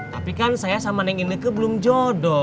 tapi kan saya sama neng inlika belum jodoh